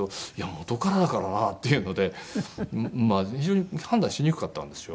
いや元からだからなっていうので非常に判断しにくかったんですよ。